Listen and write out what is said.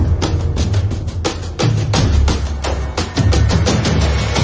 แล้วก็พอเล่ากับเขาก็คอยจับอย่างนี้ครับ